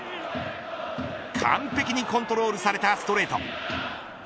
完璧にコントロールされたストレート。